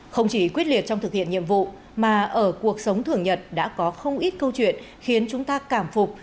không chỉ quyết liệt trong thực hiện nhiệm vụ mà ở cuộc sống thường nhật đã có không ít câu chuyện khiến chúng ta cảm phục